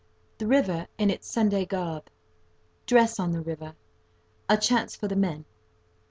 The river in its Sunday garb.—Dress on the river.—A chance for the men.